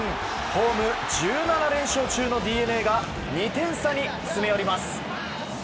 ホーム１７連勝中のＤｅＮＡが２点差に詰め寄ります。